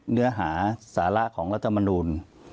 เนื้อหาสาระของรัฐมนูล